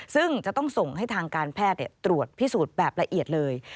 ซึ่งจะต้องส่งให้ทางการแพทย์ตรวจพิสูจน์แบบละเอียดเลย